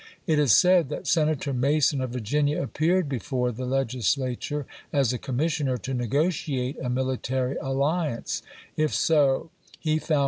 It is said that Senator Mason of Virginia scharf, appeared before the Legislature as a commissioner Maryland/' to negotiate a military alliance; if so, he found pUu."